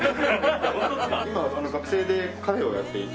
今学生でカフェをやっていて。